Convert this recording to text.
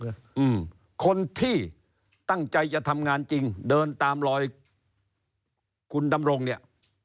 อืมคนที่ตั้งใจจะทำงานจริงเดินตามรอยคุณดำรงเนี่ย